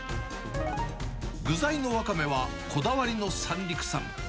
具材のワカメはこだわりの三陸産。